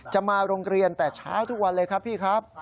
มาโรงเรียนแต่เช้าทุกวันเลยครับพี่ครับ